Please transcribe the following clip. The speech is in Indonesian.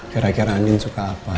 kira kira anin suka apa